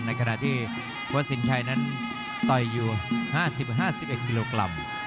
ในขณะที่วัดสินชัยนั้นต่อยอยู่๕๐๕๑กิโลกรัม